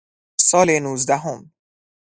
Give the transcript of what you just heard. سال نوزدهم